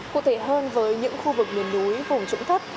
cụ thể hơn với những khu vực miền núi vùng trũng thấp